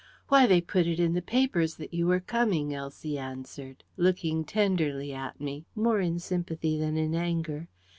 "Why, they put it in the papers that you were coming," Elsie answered, looking tenderly at me, more in sympathy than in anger.